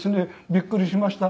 「びっくりしました。